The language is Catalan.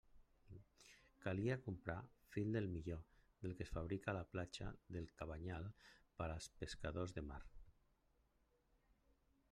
Calia comprar fil del millor, del que es fabrica a la platja del Cabanyal per als pescadors de mar.